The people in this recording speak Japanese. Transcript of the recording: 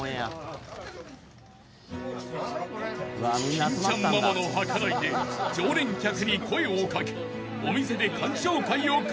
［金ちゃんママの計らいで常連客に声を掛けお店で鑑賞会を開催］